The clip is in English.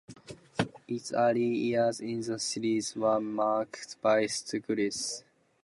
Its early years in the series were marked by struggles.